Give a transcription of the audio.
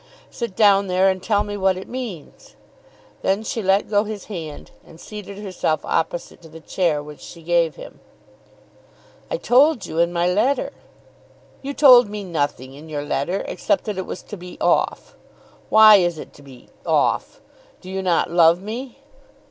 Sit down there and tell me what it means." Then she let go his hand, and seated herself opposite to the chair which she gave him. "I told you in my letter." "You told me nothing in your letter, except that it was to be off. Why is it to be off? Do you not love me?"